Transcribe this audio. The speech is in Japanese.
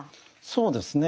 そうですね。